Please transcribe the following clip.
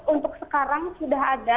untuk sekarang sudah ada